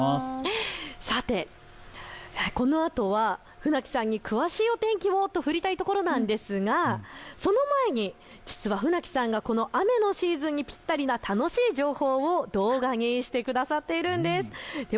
さてこのあとは船木さんに詳しい天気をと振りたいところなんですがその前に実は船木さんがこの雨のシーズンにぴったりな楽しい情報を動画にしてくださっているんです。